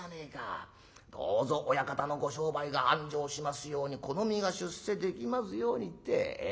『どうぞ親方のご商売が繁盛しますように。この身が出世できますように』って。え？